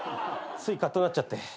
ついかっとなっちゃって。